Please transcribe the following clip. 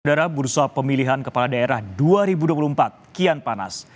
udara bursa pemilihan kepala daerah dua ribu dua puluh empat kian panas